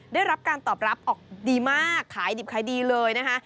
ได้รับการตอบรับออกดีมากขายดิบขายดีเลยนะคะ